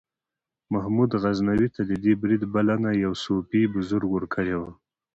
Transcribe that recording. محمود غزنوي ته د دې برید بلنه یو صوفي بزرګ ورکړې وه.